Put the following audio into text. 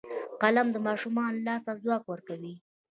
قلم د ماشوم لاس ته ځواک ورکوي